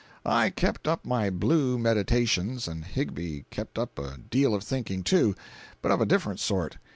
I kept up my "blue" meditations and Higbie kept up a deal of thinking, too, but of a different sort.